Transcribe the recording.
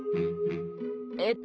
えっと